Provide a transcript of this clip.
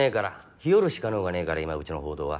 日和るしか能がねぇから今うちの報道は。